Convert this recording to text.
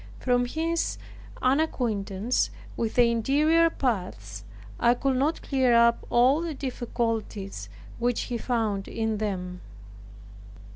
From his unacquaintance with the interior paths, I could not clear up all the difficulties which he found in them.